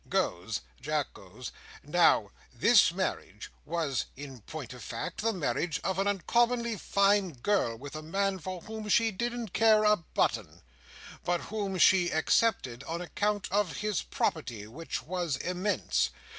—Goes—Jack goes. Now, this marriage was, in point of fact, the marriage of an uncommonly fine girl with a man for whom she didn't care a button, but whom she accepted on account of his property, which was immense.